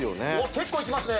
結構いきますね。